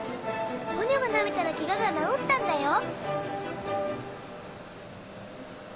ポニョがなめたらケガが治ったんだよ。